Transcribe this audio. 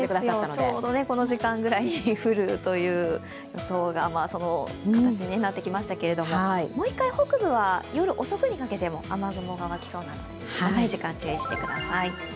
ちょうどこの時間ぐらいに降るという予想がその形になってきましたけれども、もう１回、北部は夜遅くにかけても雨雲が湧きそうなので長い時間、注意してください。